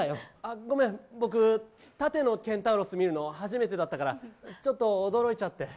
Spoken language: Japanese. ごめん、縦のケンタウロスを見るの初めてだったから、ちょっと驚いちゃって。